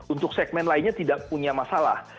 untuk segmen lainnya tidak punya masalah